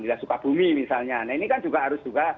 wilayah sukabumi misalnya nah ini kan juga harus juga